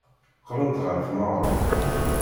Qqlent ɣer tmeɣra.